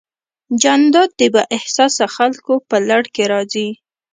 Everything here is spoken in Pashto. جانداد د بااحساسه خلکو په لړ کې راځي.